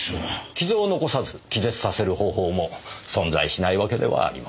傷を残さず気絶させる方法も存在しないわけではありません。